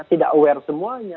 tidak aware semuanya